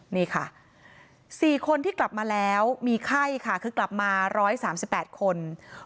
นี่ค่ะ๔คนที่กลับมาแล้วมีไข้ค่ะคือกลับมา๑๓๘คน